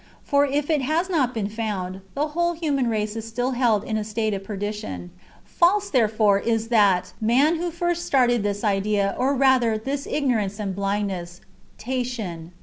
^ For if it has not been found, the whole human race is still held in a state of perdition. False, therefore, is that man who first started this idea, or rather, this ignorance and blindness — Tatian.